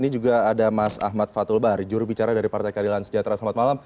di sini juga ada mas ahmad fathulbar jurubicara dari partai keadilan sejahtera selamat malam